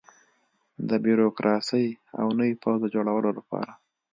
د بیروکراسۍ او نوي پوځ د جوړولو لپاره.